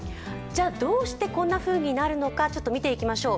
どうしてこんなふうになるのかちょっと見ていきましょう。